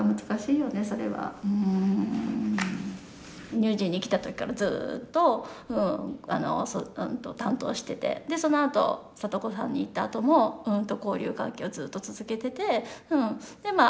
乳児院に来た時からずっと担当しててでそのあと里子さんに行ったあとも交流関係をずっと続けててでまあ